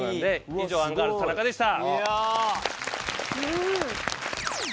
以上アンガールズ・田中でした。